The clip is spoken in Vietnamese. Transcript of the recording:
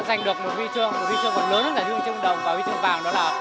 giành được một huy chương huy chương còn lớn hơn là huy chương đồng và huy chương vàng đó là